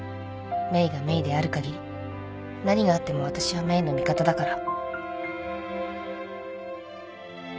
メイがメイであるかぎり何があってもわたしはメイの味方だから」